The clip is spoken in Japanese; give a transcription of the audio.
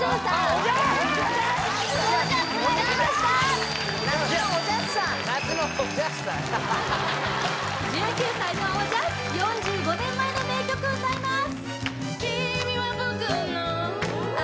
おじゃすがいきました夏のおじゃすさん１９歳のおじゃす４５年前の名曲を歌います